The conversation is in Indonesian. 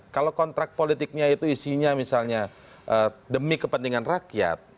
kalau kontrak politiknya itu isinya misalnya demi kepentingan rakyat